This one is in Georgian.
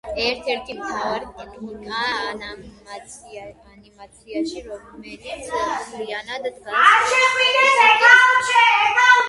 ერთ-ერთი მთავარი ტექნიკა ანიმაციაში, რომელიც მთლიანად დგას ფიზიკის კანონებზე.